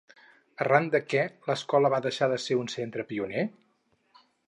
Arran de què l'escola va deixar de ser un centre pioner?